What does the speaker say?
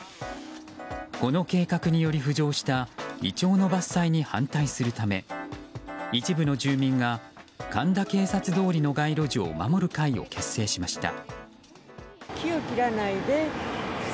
この計画により浮上したイチョウの伐採に反対するため、一部の住民が神田警察通りの街路樹を守る会を結成しました。